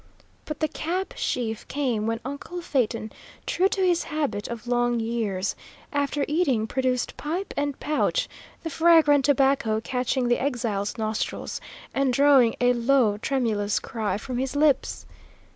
But the cap sheaf came when uncle Phaeton, true to his habit of long years, after eating, produced pipe and pouch, the fragrant tobacco catching the exile's nostrils and drawing a low, tremulous cry from his lips.